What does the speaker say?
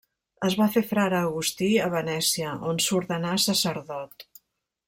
Es va fer frare agustí a Venècia, on s'ordenà sacerdot.